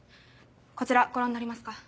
こちらご覧になりますか？